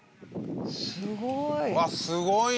すごい。